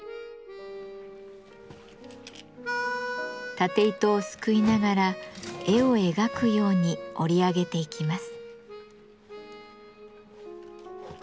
縦糸をすくいながら絵を描くように織り上げていきます。